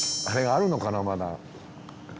あれがあるのかなまだ。